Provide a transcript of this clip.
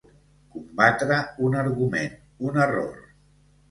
Combatre un argument, un error.